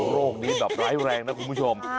โรคนี้แบบร้ายแรงนะคุณผู้ชม